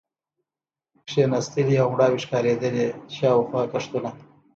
کېناستلې او مړاوې ښکارېدلې، شاوخوا کښتونه.